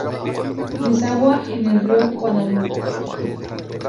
Desagua en el río Guadalope.